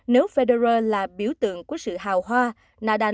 nếu federer là biểu tượng của sự hào hoa